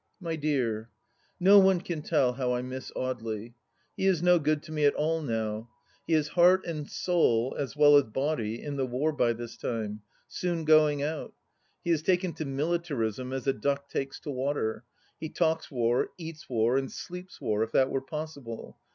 My dear, no one can tell how I miss Audely ! He is no good to me at all now. He is heart and soul, as well as body, in the war, by this time— soon goiag out ! He has taken to militarism as a duck takes to water; he talks war, eats war, and sleeps war, if that were possible.